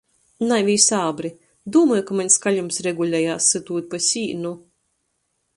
Naivī sābri... Dūmoj, ka maņ skaļums regulejās sytūt pa sīnu!...